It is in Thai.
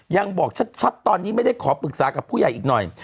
ยังบอกชัดตอนนี้ไม่ได้ขอปรึกษากับผู้ใหญ่อีกหน่อย